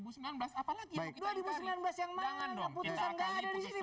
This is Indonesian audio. putusan nggak ada di sini